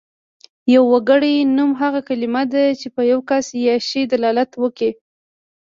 يوګړی نوم هغه کلمه ده چې په يو کس يا شي دلالت وکړي.